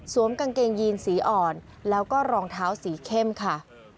กางเกงยีนสีอ่อนแล้วก็รองเท้าสีเข้มค่ะ